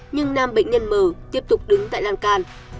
nhưng nam bệnh nhân m tiếp tục đứng tại lan can